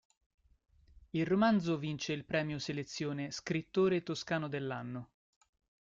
Il romanzo vince il premio selezione "Scrittore toscano dell'anno".